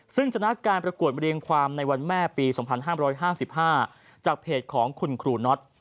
ซึ่งชนะการประกวดเรียงความในวันแม่ปี๒๕๕๕จากเพจของคุณครูน็อต